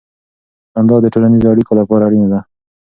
خندا د ټولنیزو اړیکو لپاره اړینه ده.